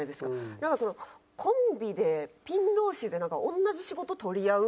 なんかそのコンビでピン同士で同じ仕事取り合う。